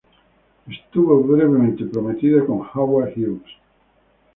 Estuvo brevemente prometida con Howard Hughes.